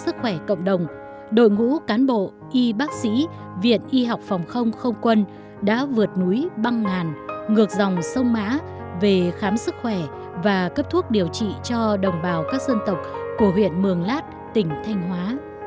chủ cán bộ y bác sĩ viện y học phòng không không quân đã vượt núi băng ngàn ngược dòng sông mã về khám sức khỏe và cấp thuốc điều trị cho đồng bào các dân tộc của huyện mường lát tỉnh thanh hóa